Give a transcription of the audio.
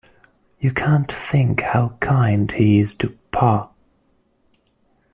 You can't think how kind he is to Pa.